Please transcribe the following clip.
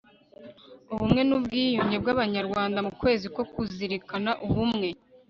ubumwe n ubwiyunge bw Abanyarwanda mu Kwezi ko kuzirikanaUbumwe